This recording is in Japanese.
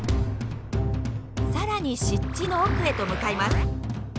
更に湿地の奥へと向かいます。